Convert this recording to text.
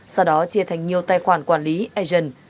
sau đó chia thành nhiều tài khoản quản lý agent